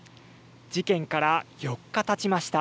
事件から４日たちました。